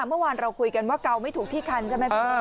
เมื่อวานเราคุยกันว่าเกาไม่ถูกที่คันใช่ไหมคุณ